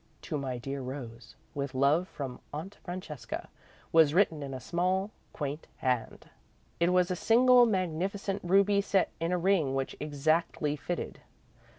"To my dear Rose, with love from Aunt Francesca," was written in a small, quaint hand. It was a single magnificent ruby set in a ring which exactly fitted.